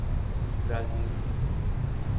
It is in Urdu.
برازیل